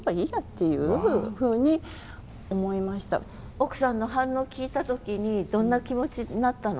奥さんの反応聞いた時にどんな気持ちになったの？